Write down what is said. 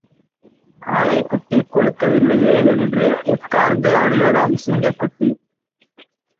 ஆனைக் குட்டி கொழுக்கவில்லையே என்று உட்கார்ந்து அழுததாம் சிங்கக் குட்டி.